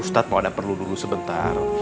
ustaz mau ada perlu dulu sebentar